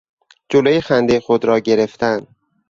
جلوی خندهی خود را گرفتن